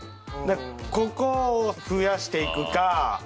ここを増やしていくか。